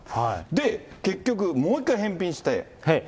で、もう一回返品して。